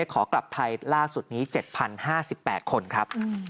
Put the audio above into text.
ขอกลับไทยล่าสุดนี้๗๐๕๘คนครับ